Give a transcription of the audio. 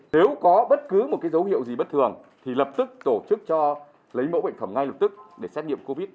nếu có bất cứ một dấu hiệu gì bất thường thì lập tức tổ chức cho lấy mẫu bệnh phẩm ngay lập tức để xét nghiệm covid